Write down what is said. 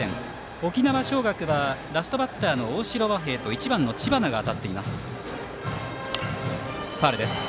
沖縄尚学はラストバッターの大城和平と１番の知花が当たっています。